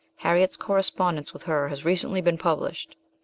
Harriet's correspondence with her has recently been published.